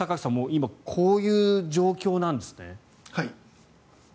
今こういう状況なんですね。